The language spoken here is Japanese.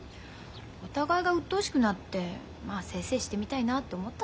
お互いがうっとうしくなってまあ清々してみたいなって思ったんですよ。